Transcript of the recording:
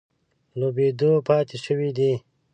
لوبېدو پاتې شوي دي.